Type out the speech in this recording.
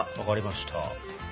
わかりました。